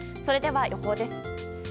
それでは予報です。